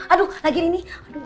aduh lagi ini